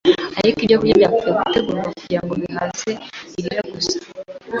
ariko ibyokurya byari gupfa gutegurwa kugira ngo bihaze irari gusa